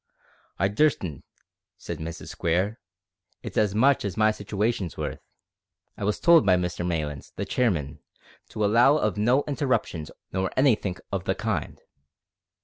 "I durstn't," said Mrs Square; "it's as much as my sitooation's worth. I was told by Mr Maylands, the chairman, to allow of no interruptions nor anythink of the kind."